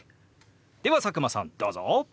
では佐久間さんどうぞ。